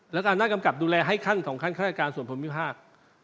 แล้วการหน้ากำกับดูแลให้ขั้นขั้นขั้นข้างการส่วนผลมิพากษ์